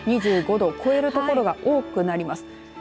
２５度を超える所が多くなります。